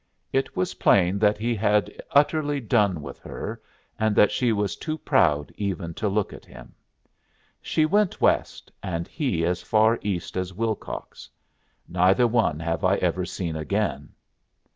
It was plain that he had utterly done with her, and that she was too proud even to look at him. She went West, and he as far east as Willcox. Neither one have I ever seen again.